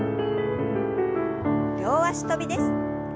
両脚跳びです。